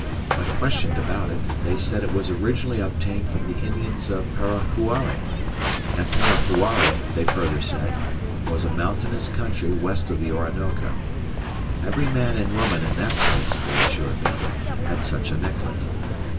When questioned about it, they said it was originally obtained from the Indians of Parahuari, and Parahuari, they further said, was a mountainous country west of the Orinoco. Every man and woman in that place, they assured me, had such a necklet.